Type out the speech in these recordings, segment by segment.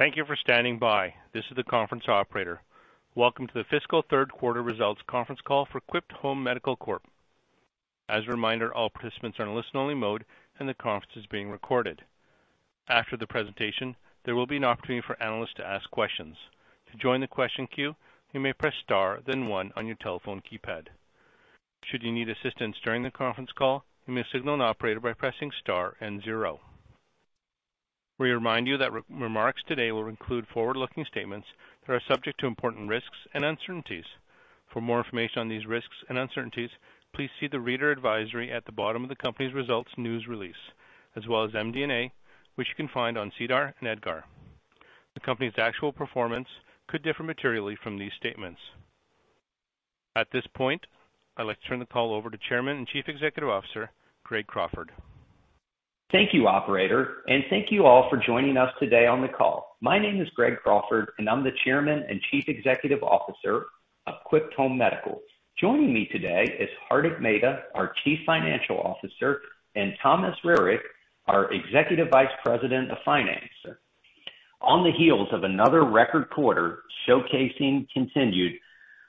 Thank you for standing by. This is the conference operator. Welcome to the fiscal Q3 results conference call for Quipt Home Medical Corp. As a reminder, all participants are in listen-only mode, and the conference is being recorded. After the presentation, there will be an opportunity for analysts to ask questions. To join the question queue, you may press Star, then one on your telephone keypad. Should you need assistance during the conference call, you may signal an operator by pressing star and zero. We remind you that remarks today will include forward-looking statements that are subject to important risks and uncertainties. For more information on these risks and uncertainties, please see the reader advisory at the bottom of the company's results news release, as well as MD&A, which you can find on SEDAR and EDGAR. The company's actual performance could differ materially from these statements. At this point, I'd like to turn the call over to Chairman and Chief Executive Officer, Greg Crawford. Thank you, operator, and thank you all for joining us today on the call. My name is Greg Crawford, and I'm the Chairman and Chief Executive Officer of Quipt Home Medical. Joining me today is Hardik Mehta, our Chief Financial Officer, and Thomas Roehrig, our Executive Vice President of Finance. On the heels of another record quarter showcasing continued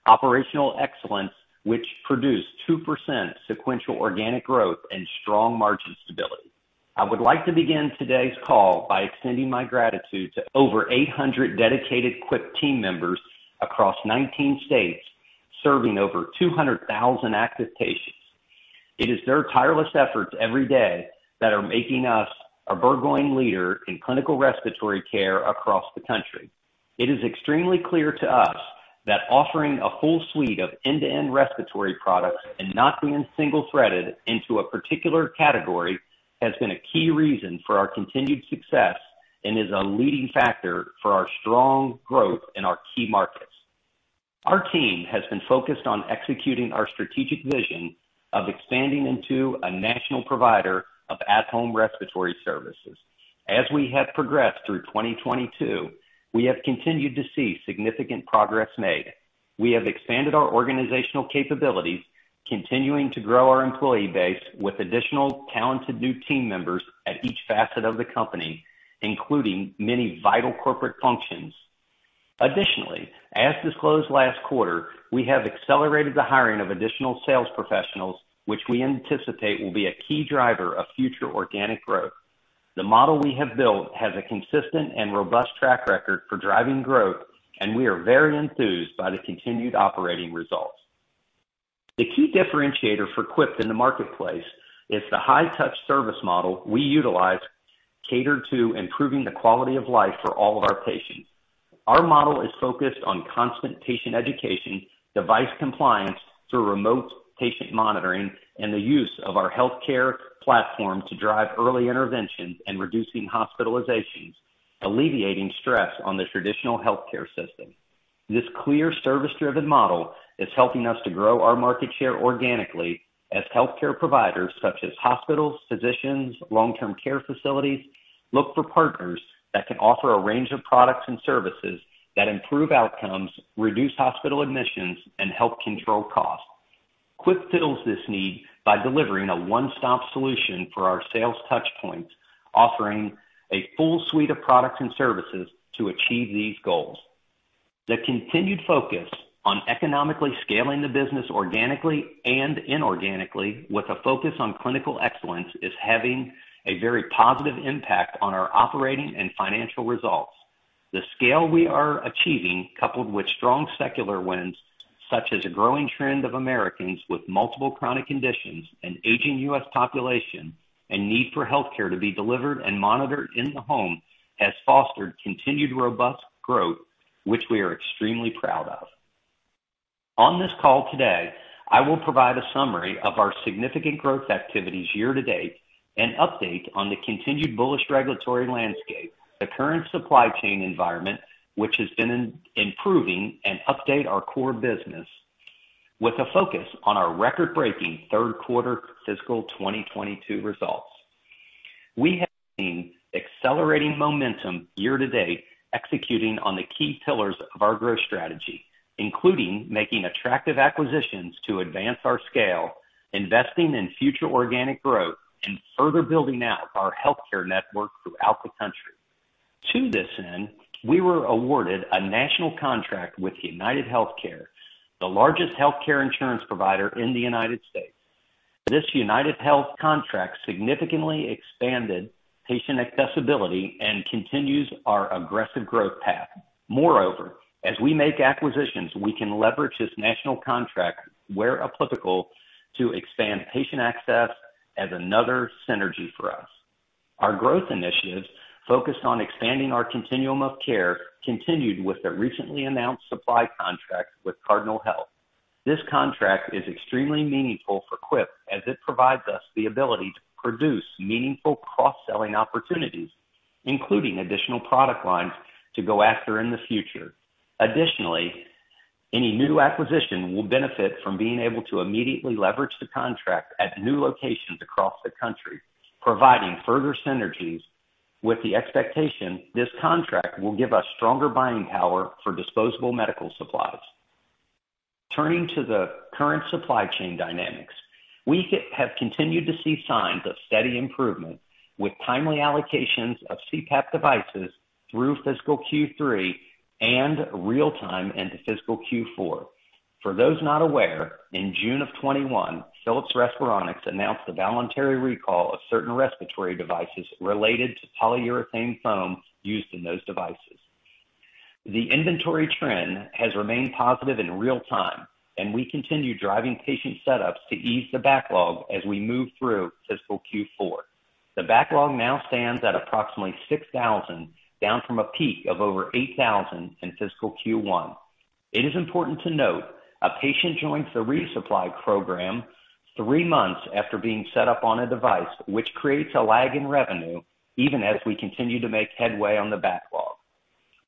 operational excellence, which produced 2% sequential organic growth and strong margin stability. I would like to begin today's call by extending my gratitude to over 800 dedicated Quipt team members across 19 states, serving over 200,000 active patients. It is their tireless efforts every day that are making us a burgeoning leader in clinical respiratory care across the country. It is extremely clear to us that offering a full suite of end-to-end respiratory products and not being single-threaded into a particular category has been a key reason for our continued success and is a leading factor for our strong growth in our key markets. Our team has been focused on executing our strategic vision of expanding into a national provider of at-home respiratory services. As we have progressed through 2022, we have continued to see significant progress made. We have expanded our organizational capabilities, continuing to grow our employee base with additional talented new team members at each facet of the company, including many vital corporate functions. Additionally, as disclosed last quarter, we have accelerated the hiring of additional sales professionals, which we anticipate will be a key driver of future organic growth. The model we have built has a consistent and robust track record for driving growth, and we are very enthused by the continued operating results. The key differentiator for Quipt in the marketplace is the high-touch service model we utilize catered to improving the quality of life for all of our patients. Our model is focused on constant patient education, device compliance through remote patient monitoring, and the use of our healthcare platform to drive early interventions and reducing hospitalizations, alleviating stress on the traditional healthcare system. This clear service-driven model is helping us to grow our market share organically as healthcare providers such as hospitals, physicians, long-term care facilities, look for partners that can offer a range of products and services that improve outcomes, reduce hospital admissions, and help control costs. Quipt fills this need by delivering a one-stop solution for our sales touchpoints, offering a full suite of products and services to achieve these goals. The continued focus on economically scaling the business organically and inorganically with a focus on clinical excellence is having a very positive impact on our operating and financial results. The scale we are achieving, coupled with strong secular winds, such as a growing trend of Americans with multiple chronic conditions, an aging U.S. population, and need for healthcare to be delivered and monitored in the home, has fostered continued robust growth, which we are extremely proud of. On this call today, I will provide a summary of our significant growth activities year to date, an update on the continued bullish regulatory landscape, the current supply chain environment, which has been improving, and update our core business with a focus on our record-breaking Q3 fiscal 2022 results. We have seen accelerating momentum year to date executing on the key pillars of our growth strategy, including making attractive acquisitions to advance our scale, investing in future organic growth, and further building out our healthcare network throughout the country. To this end, we were awarded a national contract with UnitedHealthcare, the largest healthcare insurance provider in the United States. This UnitedHealthcare contract significantly expanded patient accessibility and continues our aggressive growth path. Moreover, as we make acquisitions, we can leverage this national contract where applicable to expand patient access as another synergy for us. Our growth initiatives focused on expanding our continuum of care continued with the recently announced supply contract with Cardinal Health. This contract is extremely meaningful for Quipt as it provides us the ability to produce meaningful cross-selling opportunities, including additional product lines to go after in the future. Additionally, any new acquisition will benefit from being able to immediately leverage the contract at new locations across the country, providing further synergies with the expectation this contract will give us stronger buying power for disposable medical supplies. Turning to the current supply chain dynamics, we have continued to see signs of steady improvement with timely allocations of CPAP devices through fiscal Q3 and real time into fiscal Q4. For those not aware, in June of 2021, Philips Respironics announced the voluntary recall of certain respiratory devices related to polyurethane foam used in those devices. The inventory trend has remained positive in real time, and we continue driving patient setups to ease the backlog as we move through fiscal Q4. The backlog now stands at approximately 6,000, down from a peak of over 8,000 in fiscal Q1. It is important to note a patient joins the resupply program three months after being set up on a device which creates a lag in revenue even as we continue to make headway on the backlog.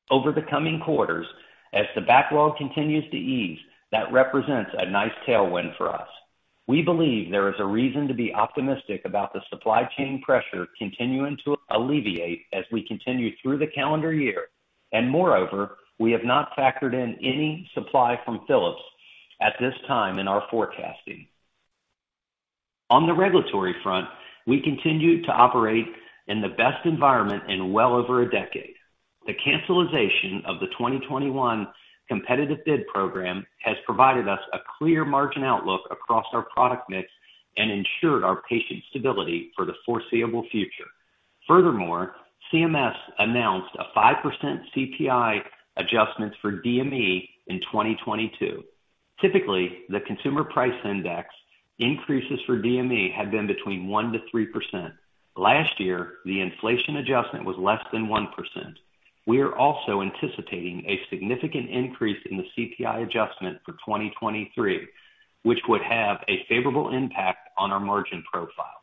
Over the coming quarters, as the backlog continues to ease, that represents a nice tailwind for us. We believe there is a reason to be optimistic about the supply chain pressure continuing to alleviate as we continue through the calendar year. Moreover, we have not factored in any supply from Philips at this time in our forecasting. On the regulatory front, we continue to operate in the best environment in well over a decade. The cancellation of the 2021 competitive bid program has provided us a clear margin outlook across our product mix and ensured our patient stability for the foreseeable future. Furthermore, CMS announced a 5% CPI adjustment for DME in 2022. Typically, the consumer price index increases for DME had been between 1%-3%. Last year, the inflation adjustment was less than 1%. We are also anticipating a significant increase in the CPI adjustment for 2023, which would have a favorable impact on our margin profile.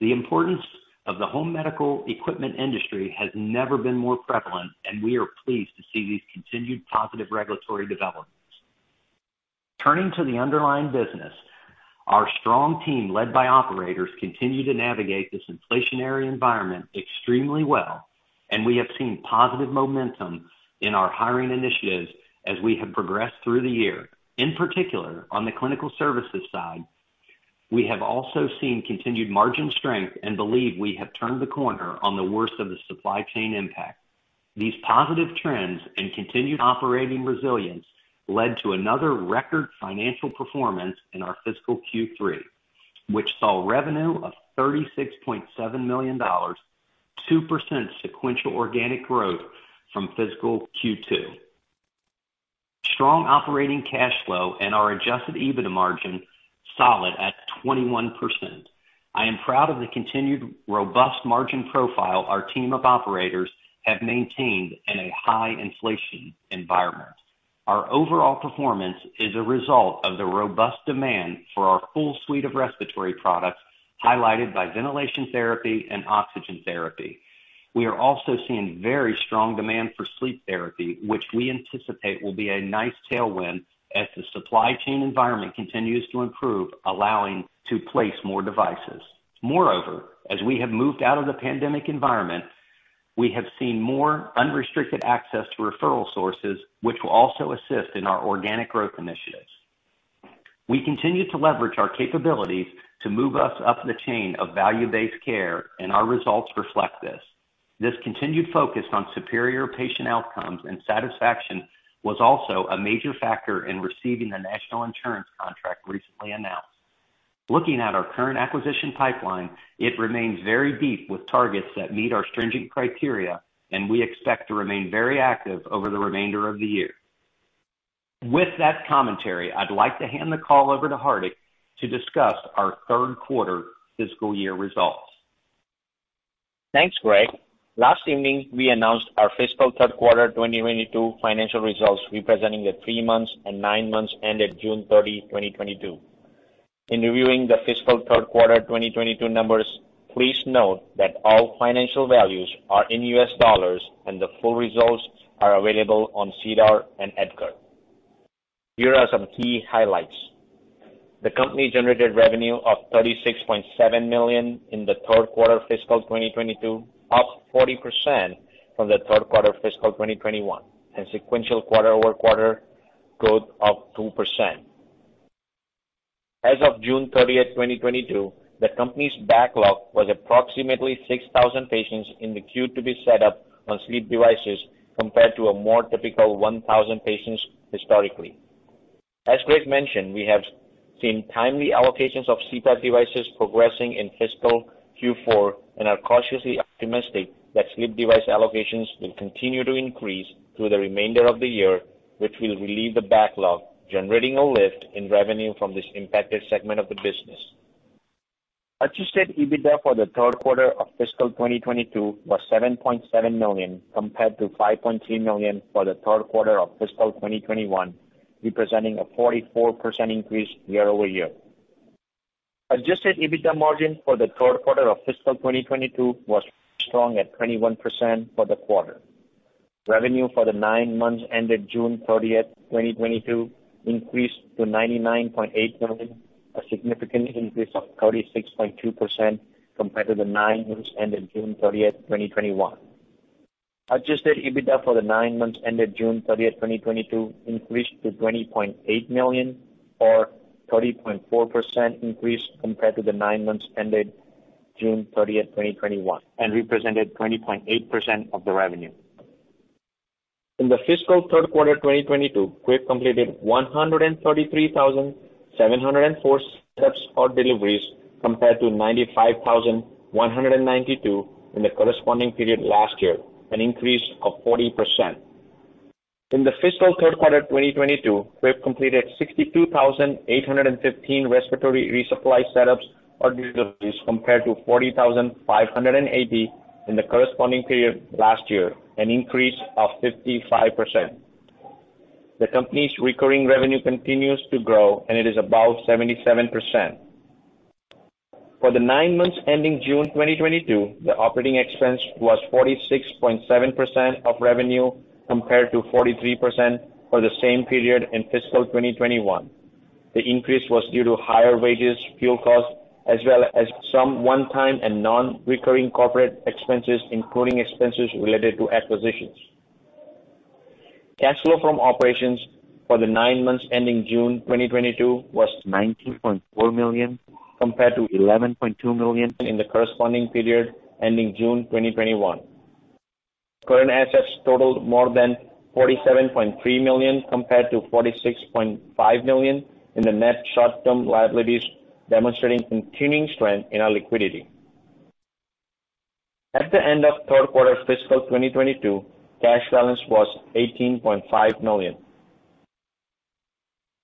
The importance of the home medical equipment industry has never been more prevalent, and we are pleased to see these continued positive regulatory developments. Turning to the underlying business, our strong team, led by operators, continue to navigate this inflationary environment extremely well, and we have seen positive momentum in our hiring initiatives as we have progressed through the year. In particular, on the clinical services side, we have also seen continued margin strength and believe we have turned the corner on the worst of the supply chain impact. These positive trends and continued operating resilience led to another record financial performance in our fiscal Q3, which saw revenue of $36.7 million, 2% sequential organic growth from fiscal Q2. Strong operating cash flow and our adjusted EBITDA margin solid at 21%. I am proud of the continued robust margin profile our team of operators have maintained in a high inflation environment. Our overall performance is a result of the robust demand for our full suite of respiratory products, highlighted by ventilation therapy and oxygen therapy. We are also seeing very strong demand for sleep therapy, which we anticipate will be a nice tailwind as the supply chain environment continues to improve, allowing to place more devices. Moreover, as we have moved out of the pandemic environment, we have seen more unrestricted access to referral sources, which will also assist in our organic growth initiatives. We continue to leverage our capabilities to move us up the chain of value-based care, and our results reflect this. This continued focus on superior patient outcomes and satisfaction was also a major factor in receiving the national insurance contract recently announced. Looking at our current acquisition pipeline, it remains very deep with targets that meet our stringent criteria, and we expect to remain very active over the remainder of the year. With that commentary, I'd like to hand the call over to Hardik to discuss our third quarter fiscal year results. Thanks, Greg. Last evening, we announced our fiscal Q3 2022 financial results, representing the three months and nine months ended June 30, 2022. In reviewing the fiscal third quarter 2022 numbers, please note that all financial values are in U.S. dollars, and the full results are available on SEDAR and EDGAR. Here are some key highlights. The company generated revenue of $36.7 million in the Q3 fiscal 2022, up 40% from the Q3 fiscal 2021, and sequential quarter-over-quarter growth of 2%. As of June 30, 2022, the company's backlog was approximately 6,000 patients in the queue to be set up on sleep devices, compared to a more typical 1,000 patients historically. As Greg mentioned, we have seen timely allocations of CPAP devices progressing in fiscal Q4 and are cautiously optimistic that sleep device allocations will continue to increase through the remainder of the year, which will relieve the backlog, generating a lift in revenue from this impacted segment of the business. Adjusted EBITDA for the Q3 of fiscal 2022 was $7.7 million, compared to $5.3 million for the Q3 of fiscal 2021, representing a 44% increase year-over-year. Adjusted EBITDA margin for the third quarter of fiscal 2022 was strong at 21% for the quarter. Revenue for the nine months ended June 30, 2022 increased to $99.8 million, a significant increase of 36.2% compared to the nine months ended June 30, 2021. Adjusted EBITDA for the nine months ended June 30, 2022 increased to $20.8 million or 30.4% increase compared to the nine months ended June 30, 2021, and represented 20.8% of the revenue. In the fiscal Q3 2022, Quipt completed 133,704 setups or deliveries compared to 95,192 in the corresponding period last year, an increase of 40%. In the fiscal Q3 2022, Quipt completed 62,815 respiratory resupply setups or deliveries compared to 40,580 in the corresponding period last year, an increase of 55%. The company's recurring revenue continues to grow, and it is about 77%. For the nine months ending June 2022, the operating expense was 46.7% of revenue, compared to 43% for the same period in fiscal 2021. The increase was due to higher wages, fuel costs, as well as some one-time and non-recurring corporate expenses, including expenses related to acquisitions. Cash flow from operations for the nine months ending June 2022 was $19.4 million, compared to $11.2 million in the corresponding period ending June 2021. Current assets totaled more than $47.3 million compared to $46.5 million in the net short-term liabilities, demonstrating continuing strength in our liquidity. At the end of Q3 fiscal 2022, cash balance was $18.5 million.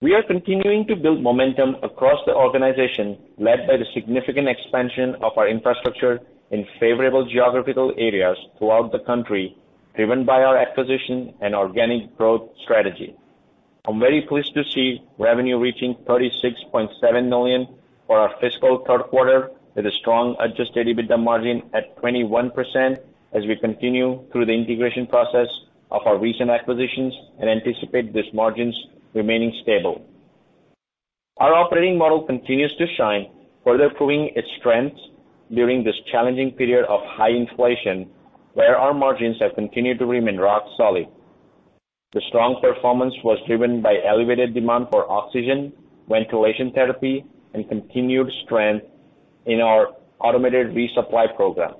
We are continuing to build momentum across the organization, led by the significant expansion of our infrastructure in favorable geographical areas throughout the country, driven by our acquisition and organic growth strategy. I'm very pleased to see revenue reaching $36.7 million for our fiscal Q3 with a strong adjusted EBITDA margin at 21% as we continue through the integration process of our recent acquisitions and anticipate these margins remaining stable. Our operating model continues to shine, further proving its strength during this challenging period of high inflation, where our margins have continued to remain rock solid. The strong performance was driven by elevated demand for oxygen, ventilation therapy, and continued strength in our automated resupply program.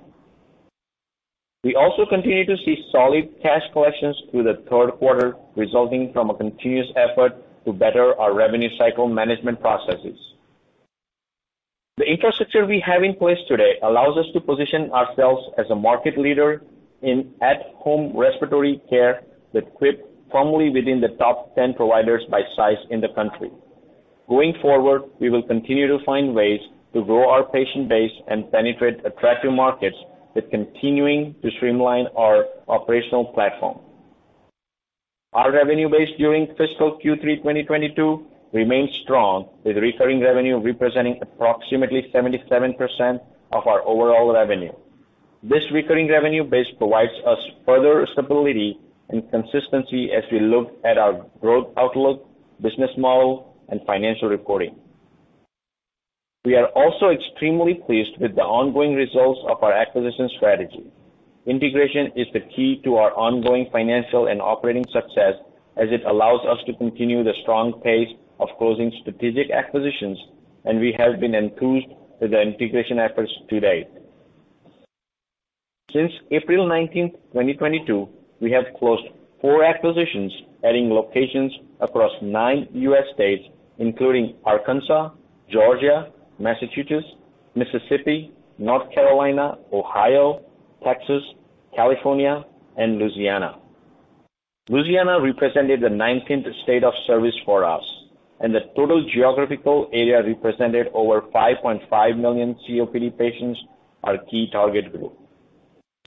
We also continue to see solid cash collections through the Q3, resulting from a continuous effort to better our revenue cycle management processes. The infrastructure we have in place today allows us to position ourselves as a market leader in at-home respiratory care with Quipt firmly within the top 10 providers by size in the country. Going forward, we will continue to find ways to grow our patient base and penetrate attractive markets while continuing to streamline our operational platform. Our revenue base during fiscal Q3 2022 remains strong, with recurring revenue representing approximately 77% of our overall revenue. This recurring revenue base provides us further stability and consistency as we look at our growth outlook, business model, and financial reporting. We are also extremely pleased with the ongoing results of our acquisition strategy. Integration is the key to our ongoing financial and operating success as it allows us to continue the strong pace of closing strategic acquisitions, and we have been enthused with the integration efforts to date. Since April 19, 2022, we have closed 4 acquisitions, adding locations across 9 U.S. states, including Arkansas, Georgia, Massachusetts, Mississippi, North Carolina, Ohio, Texas, California, and Louisiana. Louisiana represented the 19th state of service for us, and the total geographical area represented over 5.5 million COPD patients, our key target group.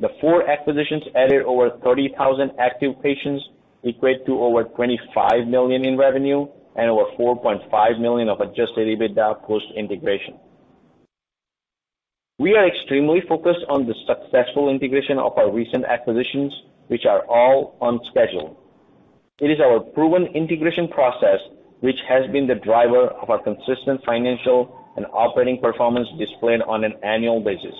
The four acquisitions added over 30,000 active patients equate to over $25 million in revenue and over $4.5 million of adjusted EBITDA post-integration. We are extremely focused on the successful integration of our recent acquisitions, which are all on schedule. It is our proven integration process which has been the driver of our consistent financial and operating performance displayed on an annual basis.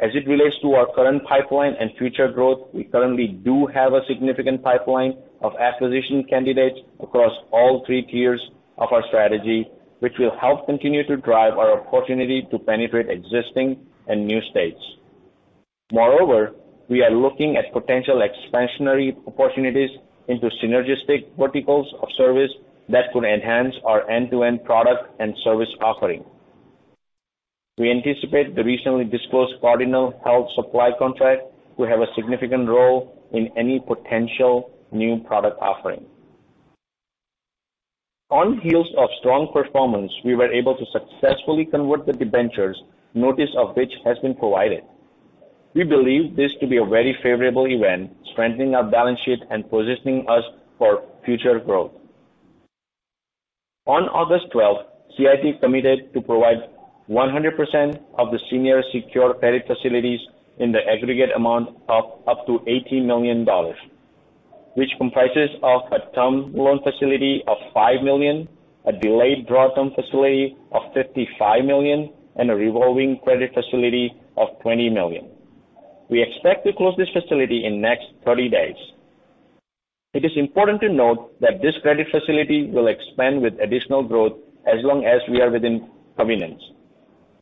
As it relates to our current pipeline and future growth, we currently do have a significant pipeline of acquisition candidates across all three tiers of our strategy, which will help continue to drive our opportunity to penetrate existing and new states. Moreover, we are looking at potential expansionary opportunities into synergistic verticals of service that could enhance our end-to-end product and service offering. We anticipate the recently disclosed Cardinal Health supply contract will have a significant role in any potential new product offering. On the heels of strong performance, we were able to successfully convert the debentures, notice of which has been provided. We believe this to be a very favorable event, strengthening our balance sheet and positioning us for future growth. On August 12th, CIT committed to provide 100% of the senior secured credit facilities in the aggregate amount of up to $80 million, which comprises of a term loan facility of $5 million, a delayed draw term facility of $55 million, and a revolving credit facility of $20 million. We expect to close this facility in next 30 days. It is important to note that this credit facility will expand with additional growth as long as we are within covenants.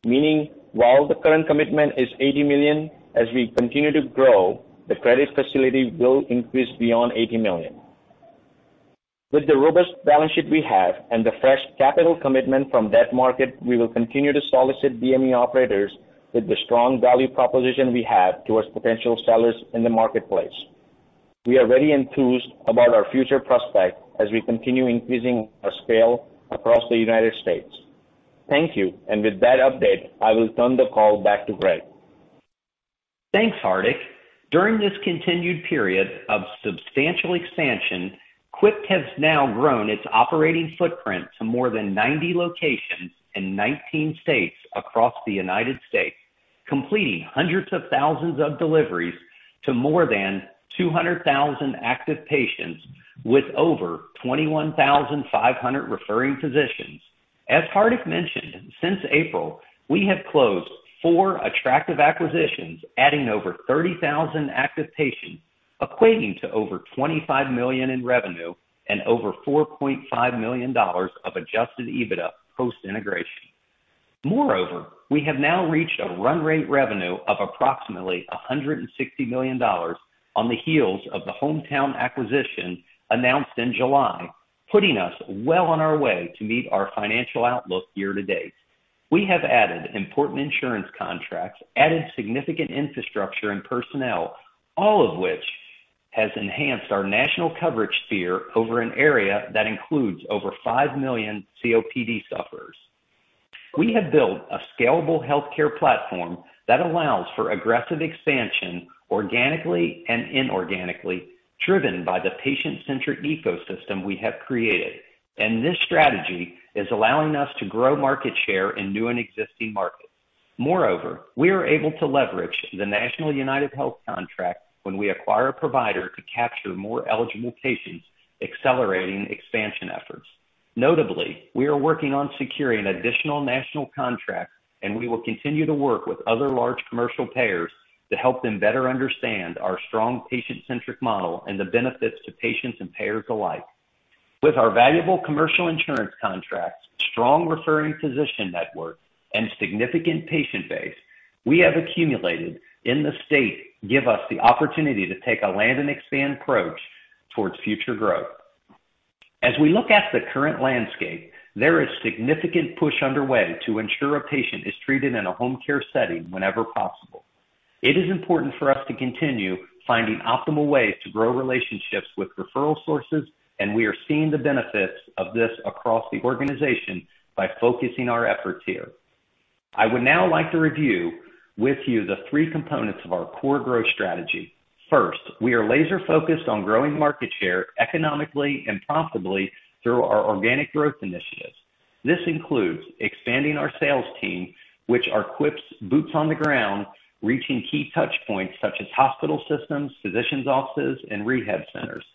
Meaning, while the current commitment is $80 million, as we continue to grow, the credit facility will increase beyond $80 million. With the robust balance sheet we have and the fresh capital commitment from debt market, we will continue to solicit DME operators with the strong value proposition we have towards potential sellers in the marketplace. We are very enthused about our future prospect as we continue increasing our scale across the United States. Thank you. With that update, I will turn the call back to Greg. Thanks, Hardik. During this continued period of substantial expansion, Quipt has now grown its operating footprint to more than 90 locations in 19 states across the United States, completing hundreds of thousands of deliveries to more than 200,000 active patients with over 21,500 referring physicians. As Hardik mentioned, since April, we have closed four attractive acquisitions, adding over 30,000 active patients, equating to over $25 million in revenue and over $4.5 million of adjusted EBITDA post-integration. Moreover, we have now reached a run rate revenue of approximately $160 million on the heels of the Hometown acquisition announced in July, putting us well on our way to meet our financial outlook year-to-date. We have added important insurance contracts, added significant infrastructure and personnel, all of which has enhanced our national coverage sphere over an area that includes over 5 million COPD sufferers. We have built a scalable healthcare platform that allows for aggressive expansion, organically and inorganically, driven by the patient-centric ecosystem we have created. This strategy is allowing us to grow market share in new and existing markets. Moreover, we are able to leverage the national UnitedHealth contract when we acquire a provider to capture more eligible patients, accelerating expansion efforts. Notably, we are working on securing additional national contracts, and we will continue to work with other large commercial payers to help them better understand our strong patient-centric model and the benefits to patients and payers alike. With our valuable commercial insurance contracts, strong referring physician network, and significant patient base we have accumulated in the state give us the opportunity to take a land and expand approach towards future growth. As we look at the current landscape, there is significant push underway to ensure a patient is treated in a home care setting whenever possible. It is important for us to continue finding optimal ways to grow relationships with referral sources, and we are seeing the benefits of this across the organization by focusing our efforts here. I would now like to review with you the three components of our core growth strategy. First, we are laser-focused on growing market share economically and profitably through our organic growth initiatives. This includes expanding our sales team, which are Quipt's boots on the ground, reaching key touch points such as hospital systems, physicians' offices, and rehab centers.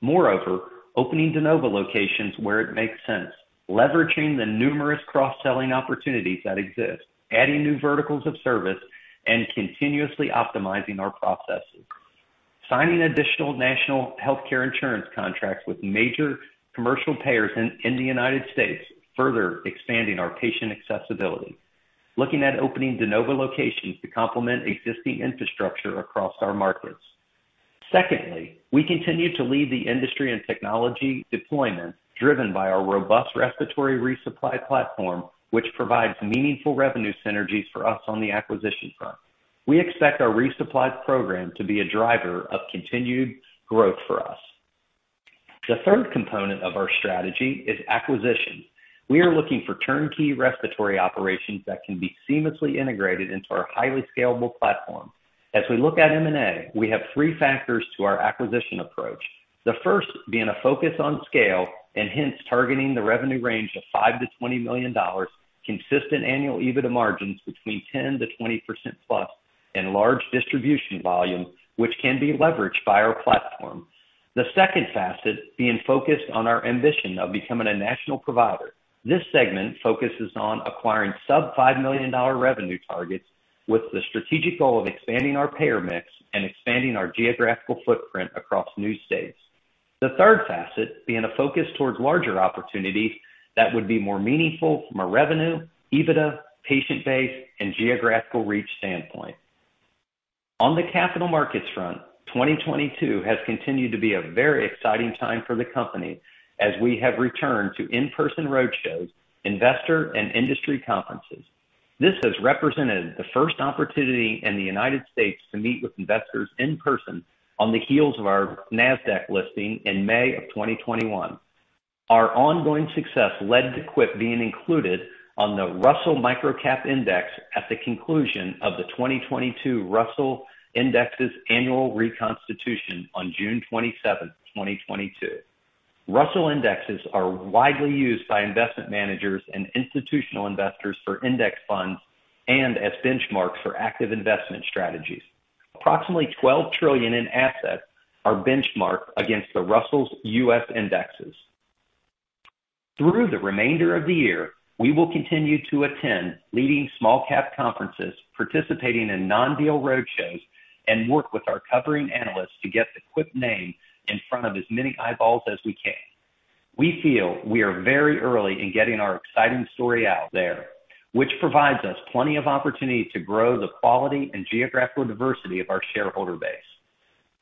Moreover, opening de novo locations where it makes sense, leveraging the numerous cross-selling opportunities that exist, adding new verticals of service, and continuously optimizing our processes. Signing additional national healthcare insurance contracts with major commercial payers in the United States, further expanding our patient accessibility. Looking at opening de novo locations to complement existing infrastructure across our markets. Secondly, we continue to lead the industry in technology deployment driven by our robust respiratory resupply platform, which provides meaningful revenue synergies for us on the acquisition front. We expect our resupply program to be a driver of continued growth for us. The third component of our strategy is acquisition. We are looking for turnkey respiratory operations that can be seamlessly integrated into our highly scalable platform. As we look at M&A, we have three factors to our acquisition approach. The first being a focus on scale, and hence targeting the revenue range of $5-$20 million, consistent annual EBITDA margins between 10%-20%+, and large distribution volume, which can be leveraged by our platform. The second facet being focused on our ambition of becoming a national provider. This segment focuses on acquiring sub-$5 million revenue targets with the strategic goal of expanding our payer mix and expanding our geographical footprint across new states. The third facet being a focus towards larger opportunities that would be more meaningful from a revenue, EBITDA, patient base, and geographical reach standpoint. On the capital markets front, 2022 has continued to be a very exciting time for the company as we have returned to in-person roadshows, investor and industry conferences. This has represented the first opportunity in the United States to meet with investors in person on the heels of our Nasdaq listing in May 2021. Our ongoing success led to Quipt being included on the Russell Microcap Index at the conclusion of the 2022 Russell Indexes annual reconstitution on June 27, 2022. Russell Indexes are widely used by investment managers and institutional investors for index funds and as benchmarks for active investment strategies. Approximately 12 trillion in assets are benchmarked against the Russell US indexes. Through the remainder of the year, we will continue to attend leading small cap conferences, participating in non-deal roadshows, and work with our covering analysts to get the Quipt name in front of as many eyeballs as we can. We feel we are very early in getting our exciting story out there, which provides us plenty of opportunity to grow the quality and geographical diversity of our shareholder base.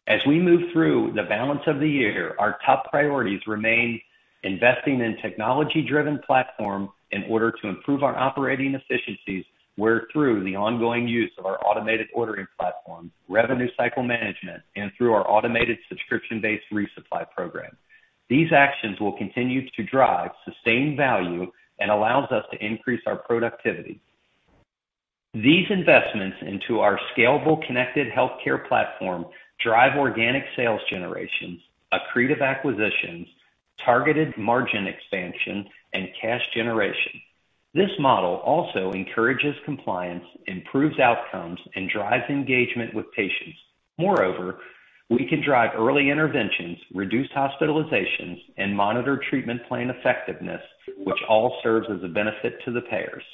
As we move through the balance of the year, our top priorities remain investing in technology-driven platform in order to improve our operating efficiencies, where through the ongoing use of our automated ordering platform, revenue cycle management, and through our automated subscription-based resupply program. These actions will continue to drive sustained value and allows us to increase our productivity. These investments into our scalable connected healthcare platform drive organic sales generations, accretive acquisitions, targeted margin expansion, and cash generation. This model also encourages compliance, improves outcomes, and drives engagement with patients. Moreover, we can drive early interventions, reduce hospitalizations, and monitor treatment plan effectiveness, which all serves as a benefit to the payers.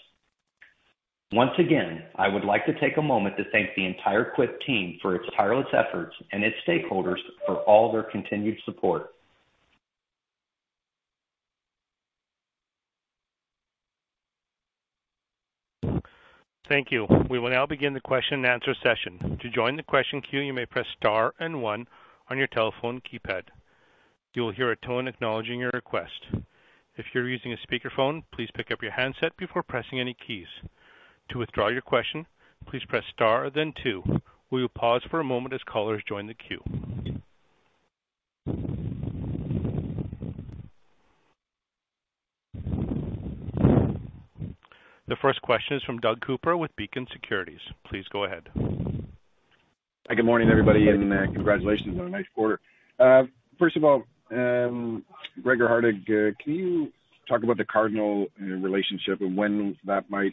Once again, I would like to take a moment to thank the entire Quipt team for its tireless efforts and its stakeholders for all their continued support. Thank you. We will now begin the question and answer session. To join the question queue, you may press star and one on your telephone keypad. You will hear a tone acknowledging your request. If you're using a speakerphone, please pick up your handset before pressing any keys. To withdraw your question, please press star then two. We will pause for a moment as callers join the queue. The first question is from Doug Cooper with Beacon Securities. Please go ahead. Hi, good morning, everybody, and congratulations on a nice quarter. First of all, Greg or Hardik, can you talk about the Cardinal Health relationship and when that might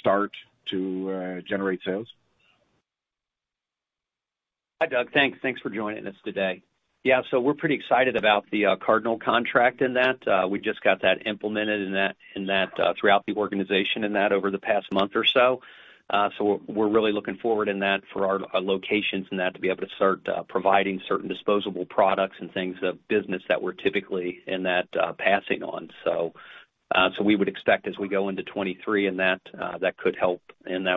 start to generate sales? Hi, Doug. Thanks. Thanks for joining us today. Yeah, we're pretty excited about the Cardinal contract. We just got that implemented throughout the organization over the past month or so. We're really looking forward for our locations to be able to start providing certain disposable products and lines of business that we're typically passing on. We would expect as we go into 2023 that could help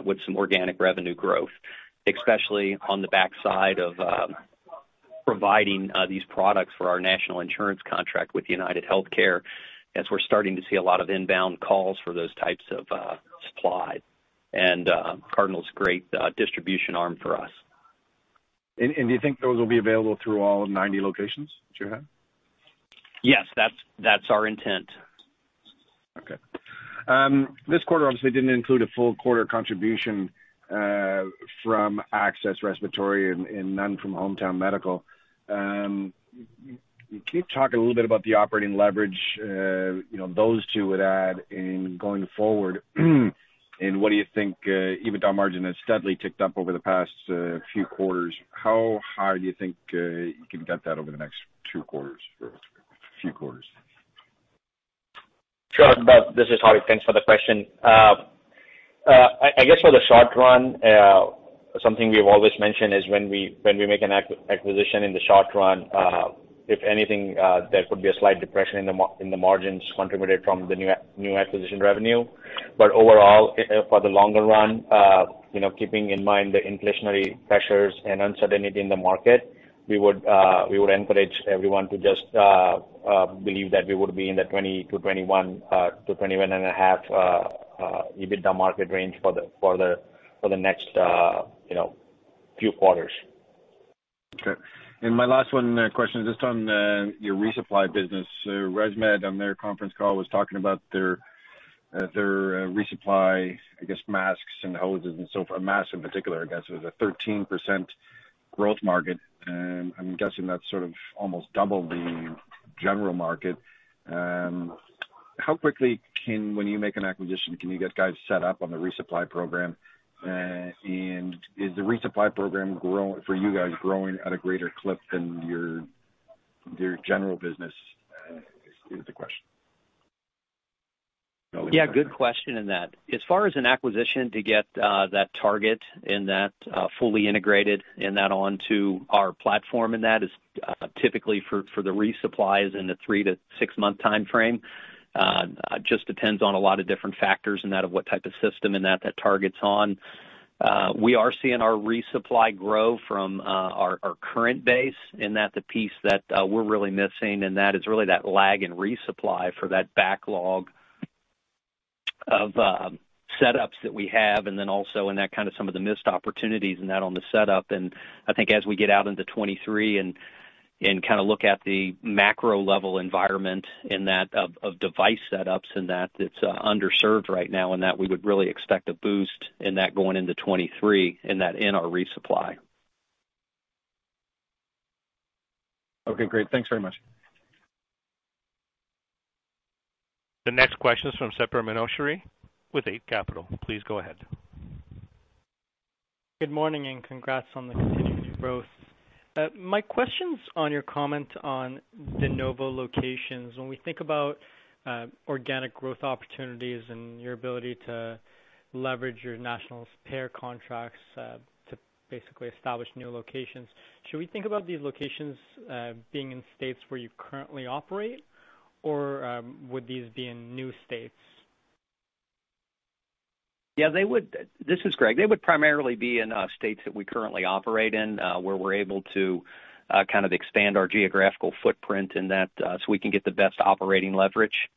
with some organic revenue growth, especially on the back half of providing these products for our national insurance contract with UnitedHealthcare, as we're starting to see a lot of inbound calls for those types of supply. Cardinal's a great distribution arm for us. Do you think those will be available through all 90 locations that you have? Yes. That's our intent. Okay. This quarter obviously didn't include a full quarter contribution from Access Respiratory and none from Hometown Medical. Can you talk a little bit about the operating leverage, you know, those two would add in going forward? What do you think, EBITDA margin has steadily ticked up over the past few quarters. How high do you think you can get that over the next two quarters or few quarters? Sure. Doug, this is Hari. Thanks for the question. I guess for the short run, something we've always mentioned is when we make an acquisition in the short run, if anything, there could be a slight depression in the margins contributed from the new acquisition revenue. But overall, for the longer run, you know, keeping in mind the inflationary pressures and uncertainty in the market, we would encourage everyone to just believe that we would be in the 20%-21% to 21.5% EBITDA margin range for the next, you know, few quarters. Okay. My last one, question is just on your resupply business. ResMed on their conference call was talking about their resupply, I guess, masks and hoses and masks in particular, I guess. It was a 13% growth market, and I'm guessing that's sort of almost double the general market. When you make an acquisition, can you get guys set up on the resupply program? Is the resupply program growing for you guys at a greater clip than your general business, is the question. Yeah, good question in that. As far as an acquisition to get that target and that fully integrated and that onto our platform in that is typically for the resupplies in the 3-6-month timeframe. It just depends on a lot of different factors and that of what type of system and that that target's on. We are seeing our resupply grow from our current base, and that the piece that we're really missing in that is really that lag in resupply for that backlog of setups that we have and then also in that kind of some of the missed opportunities in that on the setup. I think as we get out into 2023 and kind of look at the macro level environment in that of device setups in that it's underserved right now and that we would really expect a boost in that going into 2023 in that in our resupply. Okay, great. Thanks very much. The next question is from Samir Bhatt with Eight Capital. Please go ahead. Good morning and congrats on the continued growth. My question's on your comment on de novo locations. When we think about organic growth opportunities and your ability to leverage your national payer contracts to basically establish new locations, should we think about these locations being in states where you currently operate or would these be in new states? This is Greg. They would primarily be in states that we currently operate in, where we're able to kind of expand our geographical footprint in that, so we can get the best operating leverage.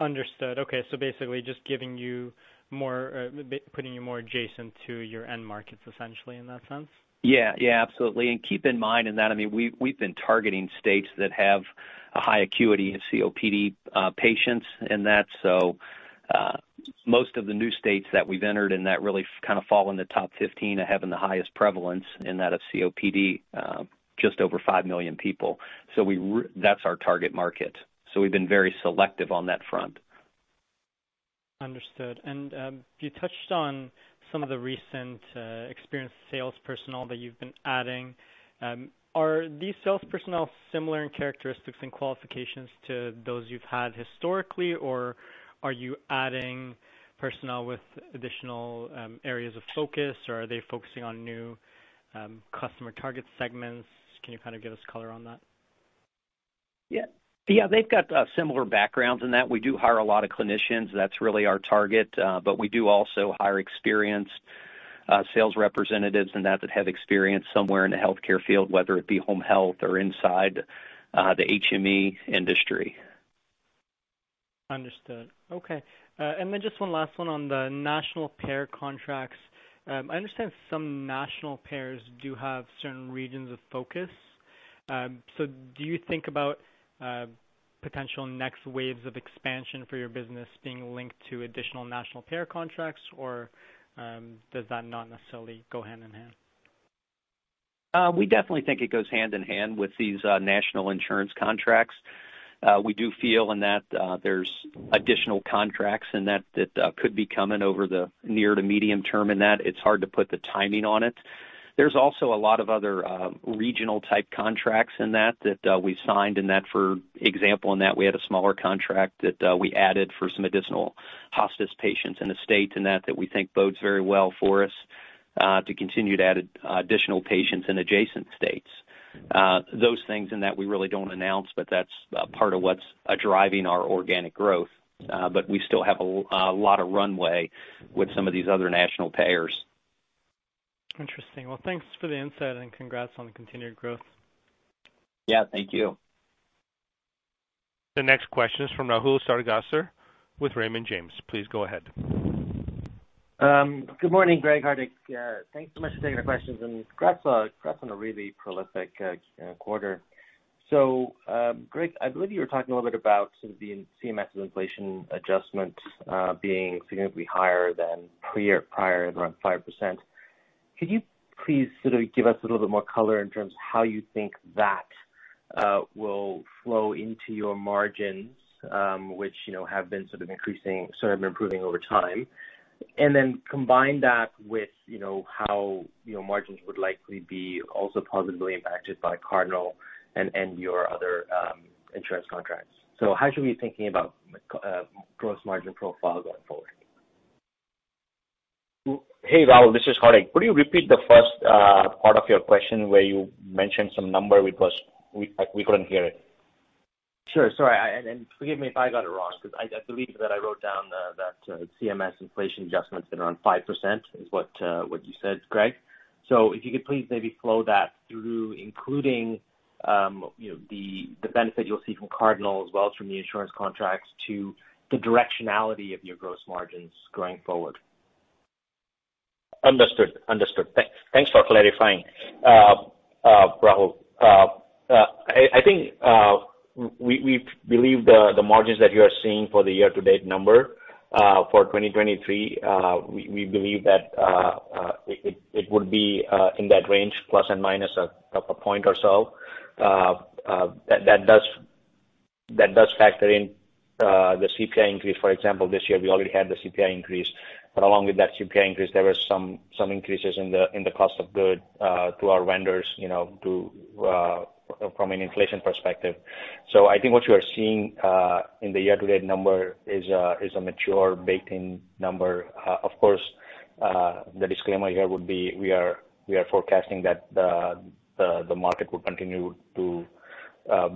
Understood. Okay. Basically just giving you more, putting you more adjacent to your end markets essentially in that sense? Yeah. Yeah, absolutely. Keep in mind in that, I mean, we've been targeting states that have a high acuity of COPD patients, in that. Most of the new states that we've entered in that really kind of fall in the top 15 are having the highest prevalence in that of COPD, just over 5 million people. That's our target market. We've been very selective on that front. Understood. You touched on some of the recent experienced sales personnel that you've been adding. Are these sales personnel similar in characteristics and qualifications to those you've had historically, or are you adding personnel with additional areas of focus, or are they focusing on new customer target segments? Can you kind of give us color on that? Yeah. They've got similar backgrounds in that we do hire a lot of clinicians. That's really our target. We do also hire experienced sales representatives and that have experience somewhere in the healthcare field, whether it be home health or inside the HME industry. Understood. Okay. Just one last one on the national payer contracts. I understand some national payers do have certain regions of focus. Do you think about potential next waves of expansion for your business being linked to additional national payer contracts, or does that not necessarily go hand in hand? We definitely think it goes hand in hand with these national insurance contracts. We do feel that there's additional contracts that could be coming over the near to medium term. It's hard to put the timing on it. There's also a lot of other regional type contracts that we've signed. For example, we had a smaller contract that we added for some additional hospice patients in the state that we think bodes very well for us to continue to add additional patients in adjacent states. Those things we really don't announce, but that's part of what's driving our organic growth. We still have a lot of runway with some of these other national payers. Interesting. Well, thanks for the insight and congrats on the continued growth. Yeah, thank you. The next question is from Rahul Sarugaser with Raymond James. Please go ahead. Good morning, Greg, Hardik. Thanks so much for taking the questions, and congrats on a really prolific quarter. Greg, I believe you were talking a little bit about some of the CMS inflation adjustment being significantly higher than prior at around 5%. Could you please sort of give us a little bit more color in terms of how you think that will flow into your margins, which, you know, have been sort of increasing, sort of improving over time? And then combine that with, you know, how margins would likely be also positively impacted by Cardinal and your other insurance contracts. How should we be thinking about gross margin profile going forward? Hey, Rahul, this is Hardik. Could you repeat the first part of your question where you mentioned some number, we couldn't hear it. Sure. Sorry. Forgive me if I got it wrong because I believe that I wrote down that CMS inflation adjustments at around 5% is what you said, Greg. If you could please maybe flow that through including the benefit you'll see from Cardinal Health as well as from the insurance contracts to the directionality of your gross margins going forward. Understood. Thanks for clarifying, Rahul. I think we believe the margins that you are seeing for the year-to-date number for 2023, we believe that it would be in that range, plus and minus a point or so. That does factor in the CPI increase. For example, this year we already had the CPI increase. Along with that CPI increase, there were some increases in the cost of goods to our vendors, you know, from an inflation perspective. I think what you are seeing in the year-to-date number is already baked-in number. Of course, the disclaimer here would be, we are forecasting that the market will continue to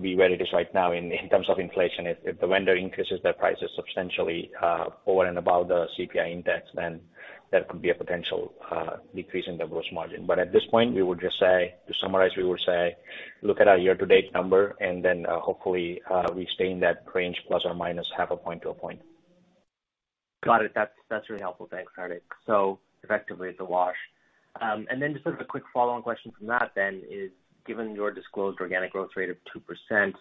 be where it is right now in terms of inflation. If the vendor increases their prices substantially over and above the CPI index, then that could be a potential decrease in the gross margin. At this point, we would just say, to summarize, we would say, look at our year-to-date number, and then hopefully we stay in that range ±0.5%-1%. Got it. That's really helpful. Thanks, Hardik. Effectively, it's a wash. Just sort of a quick follow-on question from that then is, given your disclosed organic growth rate of 2%,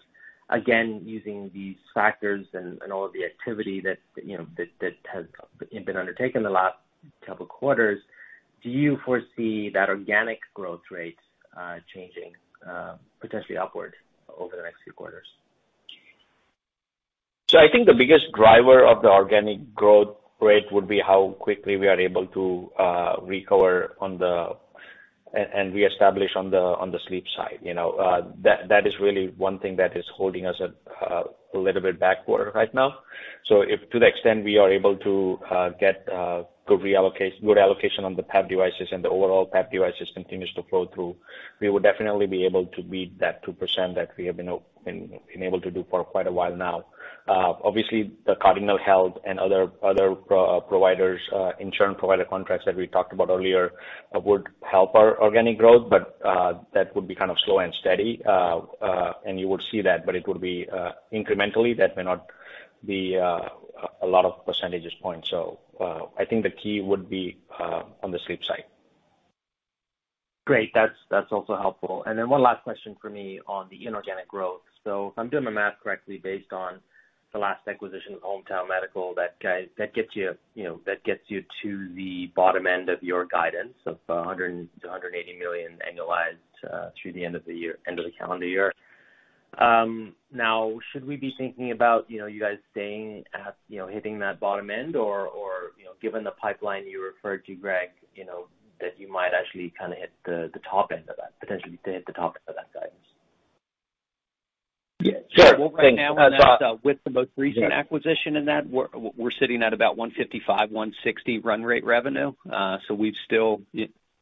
again, using these factors and all of the activity that you know has been undertaken the last couple quarters, do you foresee that organic growth rate changing potentially upward over the next few quarters? I think the biggest driver of the organic growth rate would be how quickly we are able to recover and reestablish on the sleep side. You know, that is really one thing that is holding us a little bit backward right now. If to the extent we are able to get good allocation on the PAP devices and the overall PAP devices continues to flow through, we will definitely be able to beat that 2% that we have been able to do for quite a while now. Obviously, the Cardinal Health and other providers, insurance provider contracts that we talked about earlier would help our organic growth, but that would be kind of slow and steady. You would see that, but it would be incrementally that may not be a lot of percentage points. I think the key would be on the sleep side. Great. That's also helpful. Then one last question for me on the inorganic growth. If I'm doing my math correctly based on the last acquisition of Hometown Medical, that gets you know, to the bottom end of your guidance of $100 million-$180 million annualized through the end of the year, end of the calendar year. Now, should we be thinking about, you know, you guys staying at, you know, hitting that bottom end or, you know, given the pipeline you referred to, Greg, you know, that you might actually kinda hit the top end of that, potentially hit the top end of that guidance? Yeah, sure. Well, right now, with the most recent acquisition, we're sitting at about $155-$160 run rate revenue. We still,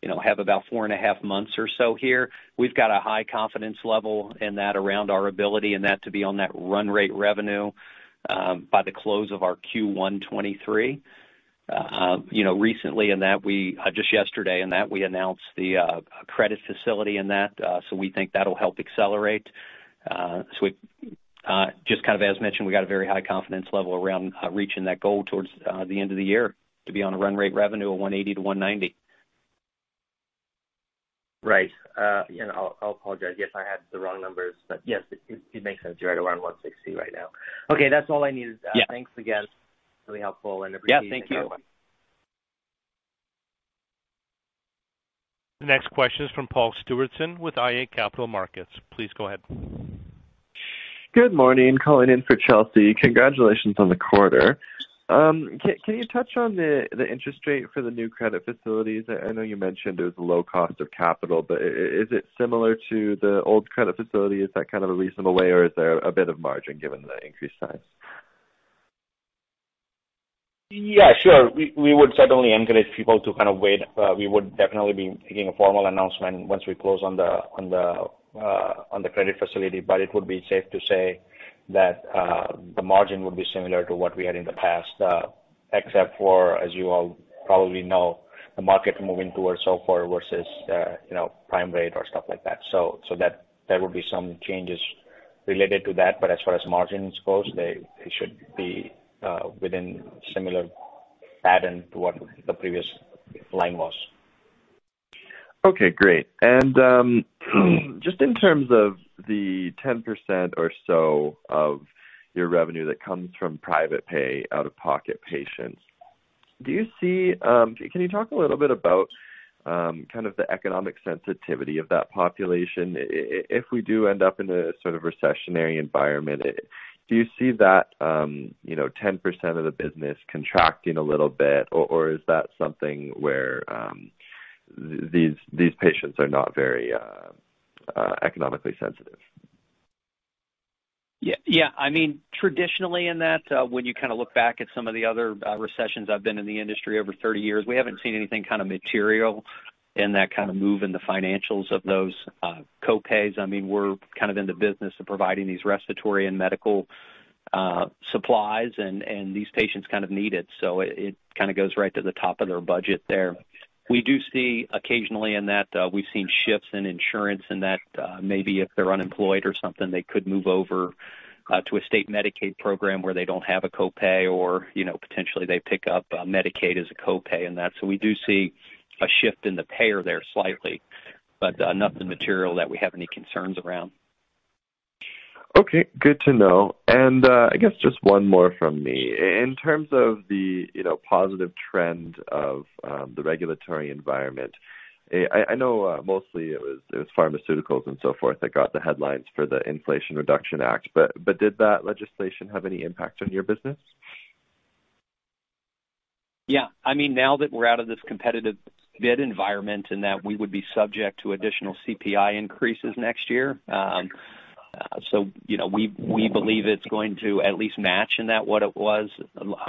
you know, have about four and a half months or so here. We've got a high confidence level around our ability to be on that run rate revenue by the close of our Q1 2023. You know, recently just yesterday we announced the credit facility, so we think that'll help accelerate. We just kind of as mentioned, we got a very high confidence level around reaching that goal towards the end of the year to be on a run rate revenue of $180-$190. Right. I'll apologize. Yes, I had the wrong numbers. Yes, it makes sense. You're at around $160 right now. Okay, that's all I needed to ask. Yeah. Thanks again. Really helpful and appreciate the color. Yeah. Thank you. The next question is from Paul Stewardson with iA Capital Markets. Please go ahead. Good morning. Calling in for Chelsea. Congratulations on the quarter. Can you touch on the interest rate for the new credit facilities? I know you mentioned it was low cost of capital, but is it similar to the old credit facility? Is that kind of a reasonable layer or is there a bit of margin given the increased size? Yeah, sure. We would certainly encourage people to kind of wait. We would definitely be making a formal announcement once we close on the credit facility, but it would be safe to say that the margin would be similar to what we had in the past, except for, as you all probably know, the market moving towards SOFR versus, you know, prime rate or stuff like that. So that there will be some changes related to that, but as far as margins goes, they should be within similar pattern to what the previous line was. Okay, great. Just in terms of the 10% or so of your revenue that comes from private pay out-of-pocket patients, can you talk a little bit about kind of the economic sensitivity of that population? If we do end up in a sort of recessionary environment, do you see that, you know, 10% of the business contracting a little bit? Or is that something where these patients are not very economically sensitive? Yeah. I mean, traditionally in that, when you kinda look back at some of the other recessions I've been in the industry over 30 years, we haven't seen anything kind of material in that kind of move in the financials of those co-pays. I mean, we're kind of in the business of providing these respiratory and medical supplies, and these patients kind of need it, so it kind of goes right to the top of their budget there. We do see occasionally in that we've seen shifts in insurance in that, maybe if they're unemployed or something, they could move over to a state Medicaid program where they don't have a co-pay or, you know, potentially they pick up Medicaid as a co-pay in that. We do see a shift in the payer there slightly, but nothing material that we have any concerns around. Okay, good to know. I guess just one more from me. In terms of the positive trend of the regulatory environment, I know mostly it was pharmaceuticals and so forth that got the headlines for the Inflation Reduction Act, but did that legislation have any impact on your business? Yeah. I mean, now that we're out of this competitive bid environment and that we would be subject to additional CPI increases next year, you know, we believe it's going to at least match what it was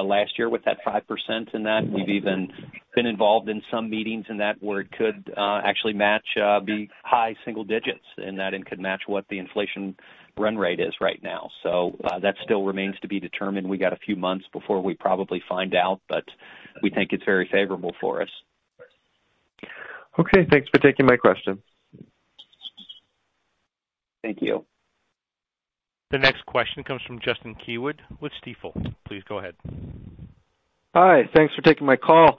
last year with that 5%. We've even been involved in some meetings where it could actually match the high single digits. It could match what the inflation run rate is right now. That still remains to be determined. We got a few months before we probably find out, but we think it's very favorable for us. Okay. Thanks for taking my question. Thank you. The next question comes from Justin Keywood with Stifel. Please go ahead. Hi. Thanks for taking my call.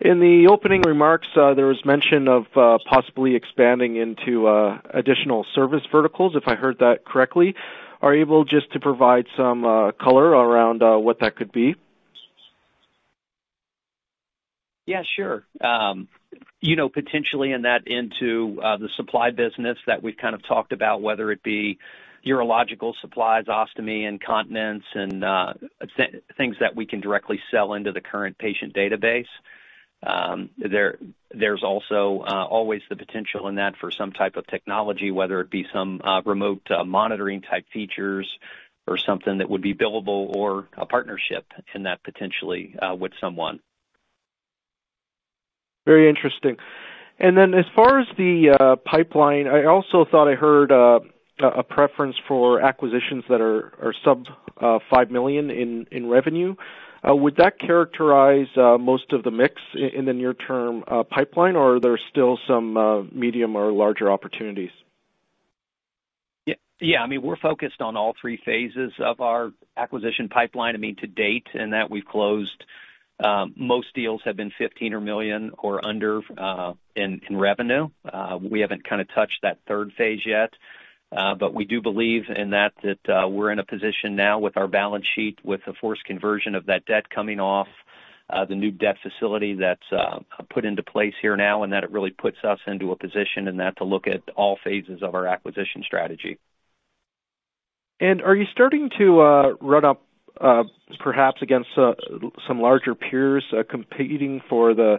In the opening remarks, there was mention of possibly expanding into additional service verticals, if I heard that correctly. Are you able just to provide some color around what that could be? Yeah, sure. You know, potentially into the supply business that we've kind of talked about, whether it be urological supplies, ostomy, incontinence, and things that we can directly sell into the current patient database. There's also always the potential in that for some type of technology, whether it be some remote monitoring type features or something that would be billable or a partnership in that potentially with someone. Very interesting. As far as the pipeline, I also thought I heard a preference for acquisitions that are sub-$5 million in revenue. Would that characterize most of the mix in the near term pipeline, or are there still some medium or larger opportunities? Yeah. I mean, we're focused on all three phases of our acquisition pipeline. I mean, to date, in that we've closed, most deals have been $15 million or under in revenue. We haven't kind of touched that third phase yet, but we do believe in that, we're in a position now with our balance sheet, with the forced conversion of that debt coming off, the new debt facility that's put into place here now, and that it really puts us into a position in that to look at all phases of our acquisition strategy. Are you starting to run up, perhaps against some larger peers competing for the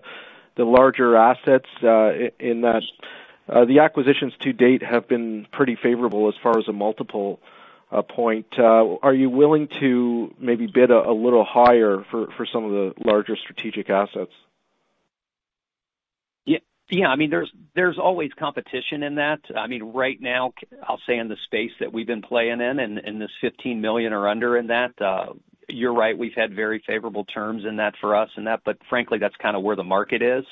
larger assets in that? The acquisitions to date have been pretty favorable as far as a multiple point. Are you willing to maybe bid a little higher for some of the larger strategic assets? Yeah. I mean, there's always competition in that. I mean, right now, I'll say in the space that we've been playing in this $15 million or under in that, you're right, we've had very favorable terms in that for us in that, but frankly, that's kind of where the market is.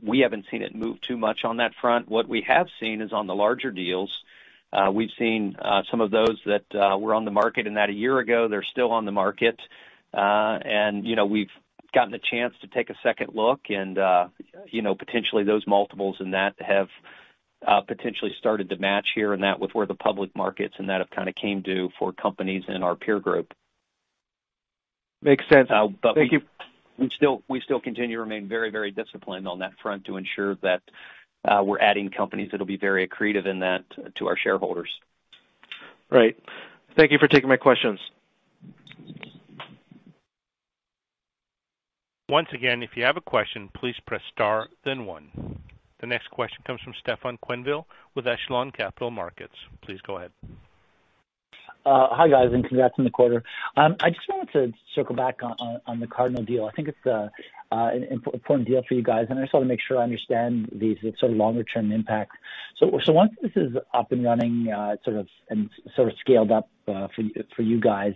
We haven't seen it move too much on that front. What we have seen is on the larger deals, we've seen some of those that were on the market in that a year ago, they're still on the market. You know, we've gotten a chance to take a second look and, you know, potentially those multiples in that have potentially started to match here in that with where the public markets and that have kind of came due for companies in our peer group. Makes sense. Thank you. We still continue to remain very, very disciplined on that front to ensure that we're adding companies that'll be very accretive in that to our shareholders. Right. Thank you for taking my questions. Once again, if you have a question, please press star then one. The next question comes from Stefan Quenneville with Echelon Capital Markets. Please go ahead. Hi, guys, and congrats on the quarter. I just wanted to circle back on the Cardinal Health deal. I think it's an important deal for you guys, and I just want to make sure I understand the sort of longer-term impact. Once this is up and running, sort of, and sort of scaled up, for you guys,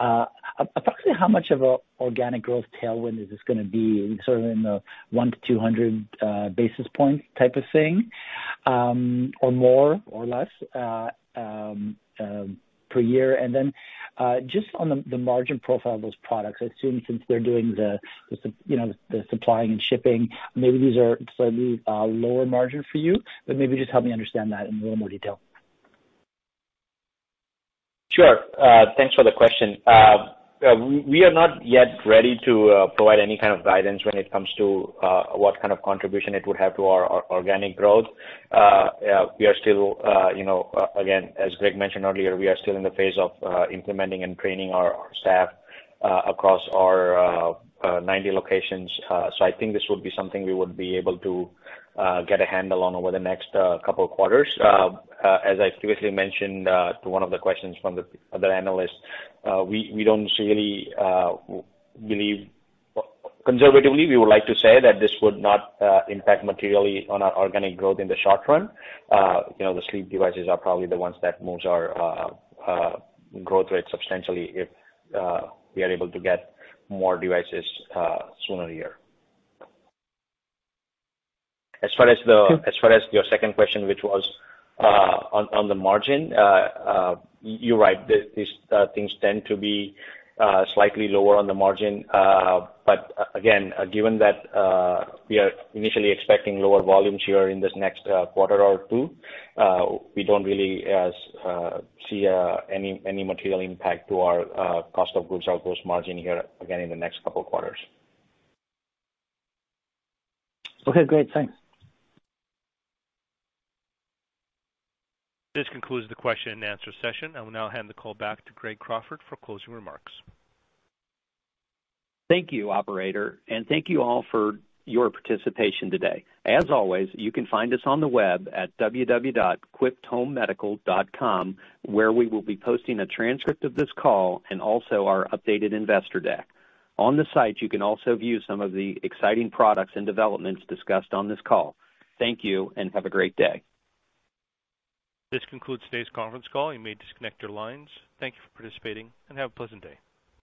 approximately how much of an organic growth tailwind is this gonna be, sort of in the 100-200 basis point type of thing, or more or less, per year? Just on the margin profile of those products, I assume since they're doing the you know the supplying and shipping, maybe these are slightly lower margin for you, but maybe just help me understand that in a little more detail. Sure. Thanks for the question. We are not yet ready to provide any kind of guidance when it comes to what kind of contribution it would have to our organic growth. We are still, you know, again, as Greg mentioned earlier, we are still in the phase of implementing and training our staff across our 90 locations. I think this would be something we would be able to get a handle on over the next couple of quarters. As I previously mentioned to one of the questions from the other analysts, we don't really, conservatively, we would like to say that this would not impact materially on our organic growth in the short run. You know, the sleep devices are probably the ones that moves our growth rate substantially if we are able to get more devices sooner here. As far as the- Sure. As far as your second question, which was on the margin, you're right. These things tend to be slightly lower on the margin. Again, given that, we are initially expecting lower volumes here in this next quarter or two, we don't really see any material impact to our cost of goods or gross margin here again in the next couple of quarters. Okay, great. Thanks. This concludes the question and answer session. I will now hand the call back to Greg Crawford for closing remarks. Thank you, operator, and thank you all for your participation today. As always, you can find us on the web at www.quipthomemedical.com, where we will be posting a transcript of this call and also our updated investor deck. On the site, you can also view some of the exciting products and developments discussed on this call. Thank you, and have a great day. This concludes today's conference call. You may disconnect your lines. Thank you for participating and have a pleasant day.